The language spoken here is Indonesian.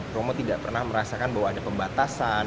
romo tidak pernah merasakan bahwa ada pembatasan